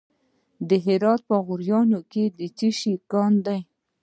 د هرات په غوریان کې د څه شي کان دی؟